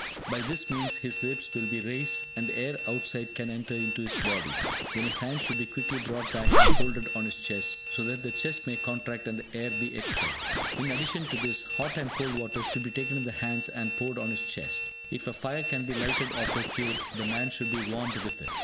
By this means his ribs will be raised, and the air outside can enter into his body; then his hands should be quickly brought back and folded on his chest, so that the chest may contract and the air be expelled. In addition to this, hot and cold water should be taken in the hands and poured on his chest. If a fire can be lighted or procured, the man should be warmed with it.